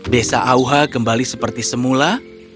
desa auha kembali seperti semula